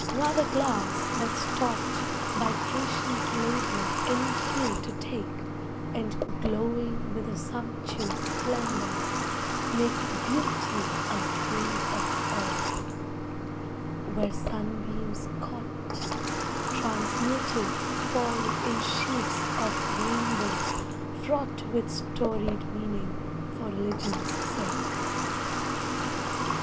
Rather glass that's taught By patient labor any hue to take And glowing with a sumptuous splendor, make Beauty a thing of awe; where sunbeams caught, Transmuted fall in sheafs of rainbows fraught With storied meaning for religion's sake.